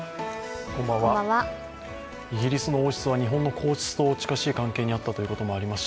イギリスの王室は日本の皇室と近しい関係にあったということもあります